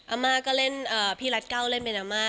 อาม่าก็เล่นพี่รัฐเก้าเล่นเมนาม่า